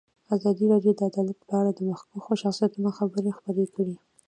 ازادي راډیو د عدالت په اړه د مخکښو شخصیتونو خبرې خپرې کړي.